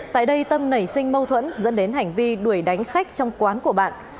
tại đây tâm nảy sinh mâu thuẫn dẫn đến hành vi đuổi đánh khách trong quán của bạn